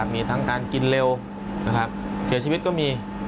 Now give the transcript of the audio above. มีทั้งการกินเร็วเสียชีวิตก็มี